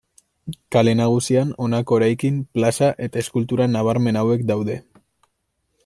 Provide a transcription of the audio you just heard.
Kale Nagusian honako eraikin, plaza eta eskultura nabarmen hauek daude.